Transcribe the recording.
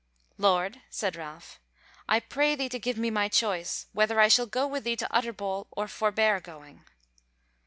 "Lord," said Ralph, "I pray thee to give me my choice, whether I shall go with thee to Utterbol or forbear going?"